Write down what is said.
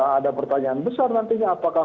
ada pertanyaan besar nantinya apakah